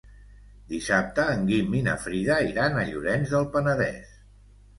Dissabte en Guim i na Frida iran a Llorenç del Penedès.